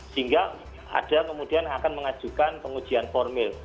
sehingga ada kemudian yang akan mengajukan pengujian formil